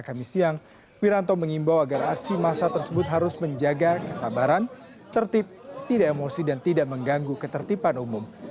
kami siang wiranto mengimbau agar aksi massa tersebut harus menjaga kesabaran tertib tidak emosi dan tidak mengganggu ketertiban umum